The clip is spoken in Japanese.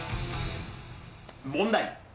問題。